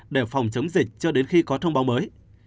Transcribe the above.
để phòng chống dịch cho đến khi có thông báo mới